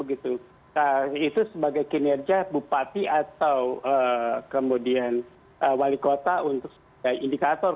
itu sebagai kinerja bupati atau kemudian wali kota untuk sebagai indikator